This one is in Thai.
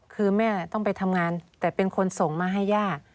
คือแม่ต้องไปทำงานแต่เป็นคนส่งมาให้ย่า